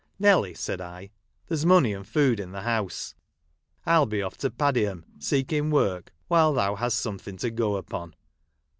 " Nelly," said I, " there 's money and food in the house ; I will be off to Padiham seeking work, while thou hast something to go upon."